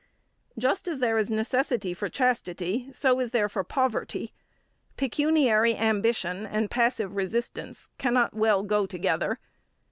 Just as there is necessity for chastity, so is there for poverty. Pecuniary ambition and passive resistance cannot well go together.